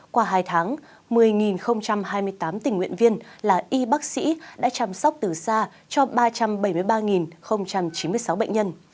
qua hai tháng một mươi hai mươi tám tình nguyện viên là y bác sĩ đã chăm sóc từ xa cho ba trăm bảy mươi ba chín mươi sáu bệnh nhân